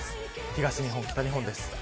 東日本、北日本です。